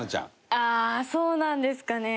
ああーそうなんですかね。